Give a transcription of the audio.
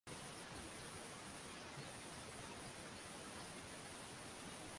ikitarajia kuwa rais wa umoja huo